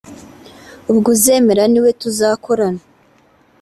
ubwo uzemera ni we tuzakorana”